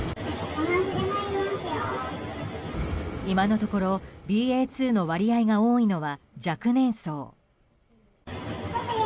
今のところ、ＢＡ．２の割合が多いのは若年層。